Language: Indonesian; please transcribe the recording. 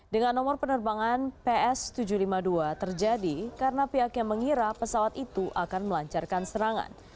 dengan nomor penerbangan ps tujuh ratus lima puluh dua terjadi karena pihaknya mengira pesawat itu akan melancarkan serangan